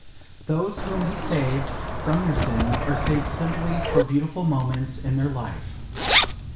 Those whom he saved from their sins are saved simply for beautiful moments in their lives.